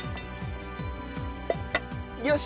よし！